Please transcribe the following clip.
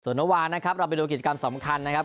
ส่วนเมื่อวานนะครับเราไปดูกิจกรรมสำคัญนะครับ